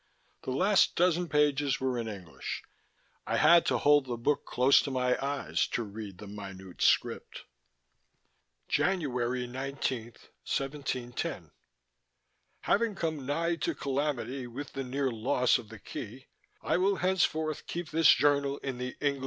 The last dozen pages were in English. I had to hold the book close to my eyes to read the minute script: _January 19, 1710. Having come nigh to calamity with the near lofs of the key, I will henceforth keep this journal in the English tongue....